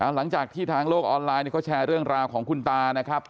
หลังจากที่ทางโลกออนไลน์เขาแชร์เรื่องราวของคุณตานะครับ